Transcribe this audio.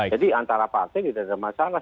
jadi antara partai tidak ada masalah